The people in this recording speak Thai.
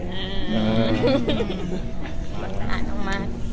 น่าจะเบาสุดไหม